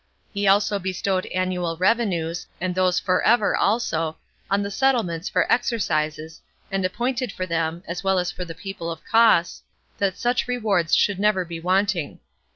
He also bestowed annual revenues, and those for ever also, on the settlements for exercises, and appointed for them, as well as for the people of Cos, that such rewards should never be wanting.